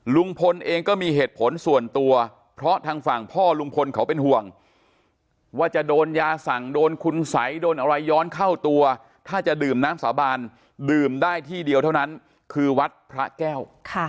ลุงพลเองก็มีเหตุผลส่วนตัวเพราะทางฝั่งพ่อลุงพลเขาเป็นห่วงว่าจะโดนยาสั่งโดนคุณสัยโดนอะไรย้อนเข้าตัวถ้าจะดื่มน้ำสาบานดื่มได้ที่เดียวเท่านั้นคือวัดพระแก้ว